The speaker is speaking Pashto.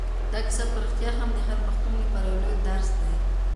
دا کیسه په رښتیا هم د هر پښتون لپاره یو لوی درس دی.